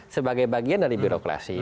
sebagai bagian dari birokrasi